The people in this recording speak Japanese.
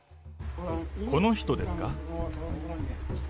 この人ですか？